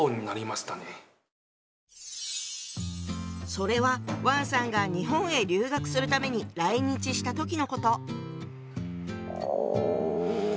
それは王さんが日本へ留学するために来日した時のこと。